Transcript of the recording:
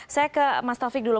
saya ke mas taufik dulu